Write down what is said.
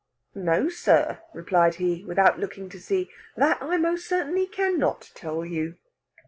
"No, sir," replied he, without looking to see; "that I most certainly can not tell you."